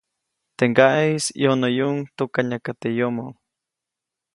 Teʼ ŋgaʼeʼis ʼyonäyuʼuŋ tukanyaka teʼ yomo,.